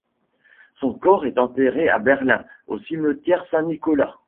Son corps est enterré à Berlin, au cimetière Saint-Nicolas.